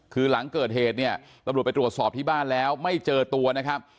คือหลังเกิดเหตุเนี่ยตำรวจไปตรวจสอบที่บ้านแล้วไม่เจอตัวนะครับ